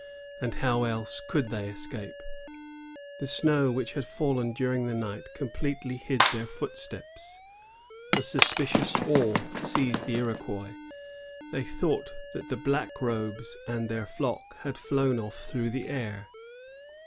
And how else could they escape? The snow which had fallen during the night completely hid their footsteps. A superstitious awe seized the Iroquois. They thought that the ^^ black robes " and their flock had flown off through the air.